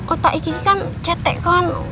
otak ii kiki kan cetek kan